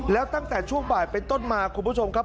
แล้วตั้งแต่ช่วงบ่ายเป็นต้นมาคุณผู้ชมครับ